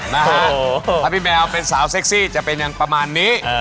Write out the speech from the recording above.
นะฮะถ้าพี่แมวเป็นสาวเซ็กซี่จะเป็นอย่างประมาณนี้